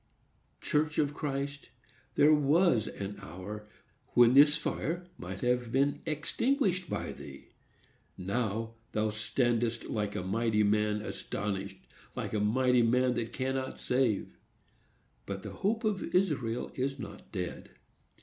Church of Christ, there was an hour when this fire might have been extinguished by thee. Now, thou standest like a mighty man astonished,—like a mighty man that cannot save. But the Hope of Israel is not dead.